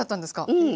うん。